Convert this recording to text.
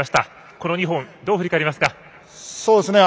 この２本、どう振り返りますか？